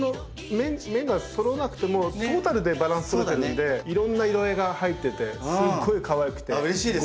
面がそろわなくてもトータルでバランス取れてるんでいろんな色合いが入っててすごいかわいくてゴージャスでいいです。